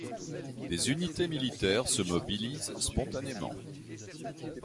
Des unités militaires se mobilisent spontanément.